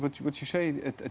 apa yang anda katakan